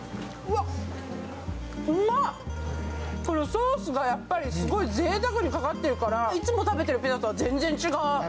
ソースがぜいたくにかかってるから、いつも食べてるピザとは全然違う。